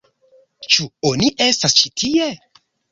Ĉu oni estas ĉi tie?